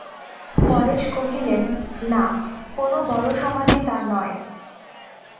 পরেশ কহিলেন, না, কোনো বড়ো সমাজই তা নয়।